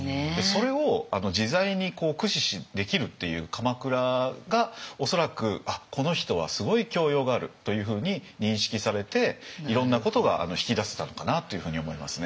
それを自在に駆使できるっていう鎌倉が恐らく「あっこの人はすごい教養がある」というふうに認識されていろんなことが引き出せたのかなというふうに思いますね。